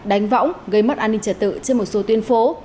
đánh võng gây mất an ninh trật tự trên một số tuyên phố